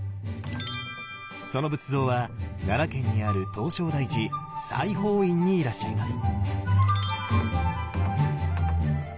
その仏像は奈良県にある唐招提寺西方院にいらっしゃいます。